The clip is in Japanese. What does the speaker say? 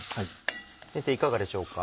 先生いかがでしょうか。